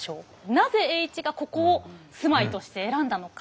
なぜ栄一がここを住まいとして選んだのか。